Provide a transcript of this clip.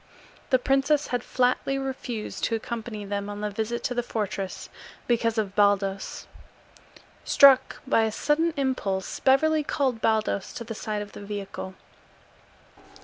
The princess had flatly refused to accompany them on the visit to the fortress because of Baldos. Struck by a sudden impulse, Beverly called Baldos to the side of the vehicle.